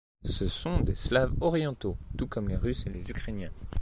Ce sont des Slaves orientaux, tout comme les Russes et les Ukrainiens.